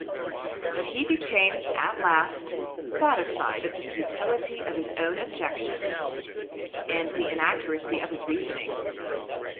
But be became at last satisfied of the futility of hii own objections, aud the inaccuracy of his reasoning.